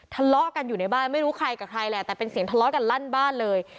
ทะเลาะกันอยู่ในบ้านไม่รู้ใครกับใครแหละแต่เป็นเสียงทะเลาะกันลั่นบ้านเลย